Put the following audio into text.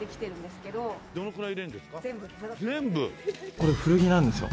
これ古着なんですよ。